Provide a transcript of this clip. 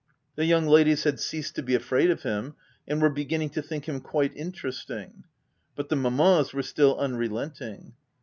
The young ladies had ceased to be afraid of him, and were beginning to think him quite interesting ; but the mammas were still unrelenting.